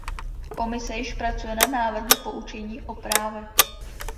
Komise již pracuje na návrhu poučení o právech.